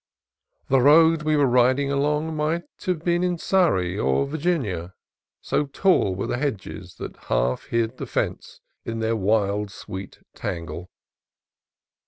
The road we were riding along might have been EL MONTE 5 in Surrey or Virginia, so tall were the hedges that half hid the fence in their wild sweet tangle.